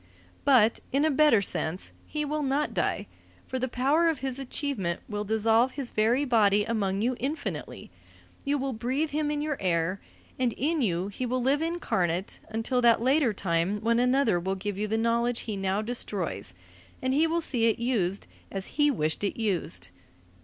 But, in a better sense, he will not die, for the power of his achievement will dissolve his very body among you infinitely; you will breathe him in your air; and in you he will live incarnate until that later time when another will give you the knowledge he now destroys, and he will see it used as he wished it used.